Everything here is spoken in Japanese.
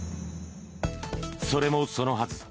それもそのはず。